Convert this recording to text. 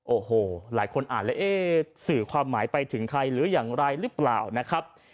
โอ้โหหลายคนอ่านแล้วเอ๊ะสื่อความหมายไปถึงใครหรืออย่างไรหรือเปล่านะครับ